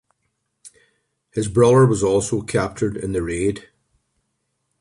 His brother was also captured in the raid.